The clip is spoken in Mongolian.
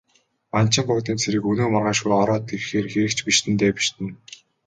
Банчин богдын цэрэг өнөө маргаашгүй ороод ирэхээр хэрэг ч бишиднэ дээ, бишиднэ.